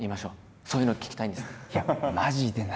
そういうのを聞きたいんです。